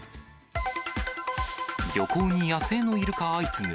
漁港に野生のイルカ相次ぐ。